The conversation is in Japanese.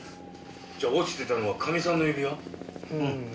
じゃあ落ちてたのはかみさんの指輪？